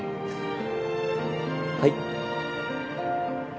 はい。